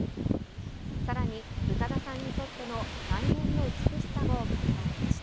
さらに、宇多田さんにとっての内面の美しさも語られました。